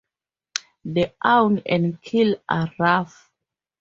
The awn and keel are rough.